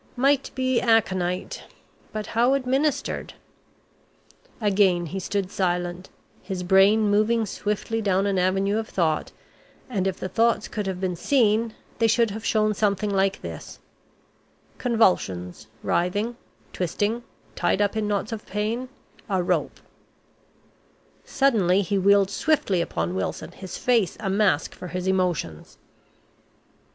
"Might be aconite but how administered?" Again he stood silent, his brain moving swiftly down an avenue of thought, and if the thoughts could have been seen, they should have shown something like this: Convulsions writhing twisting tied up in knots of pain a rope. Suddenly he wheeled swiftly upon Wilson, his face a mask for his emotions.